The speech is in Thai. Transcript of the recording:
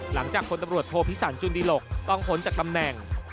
หลังจากคนตำรวจโทพิสันจุนดีหลกต้องพ้นจากตำแหน่ง